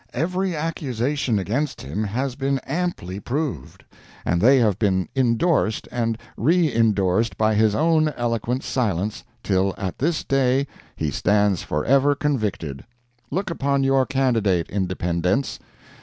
Every accusation against him has been amply proved, and they have been indorsed and reindorsed by his own eloquent silence, till at this day he stands forever convicted. Look upon your candidate, Independents!